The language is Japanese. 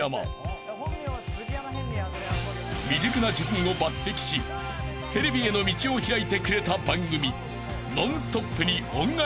［未熟な自分を抜てきしテレビへの道を開いてくれた番組］